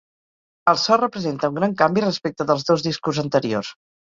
El so representa un gran canvi respecte dels dos discos anteriors.